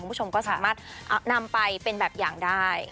คุณผู้ชมก็สามารถนำไปเป็นแบบอย่างได้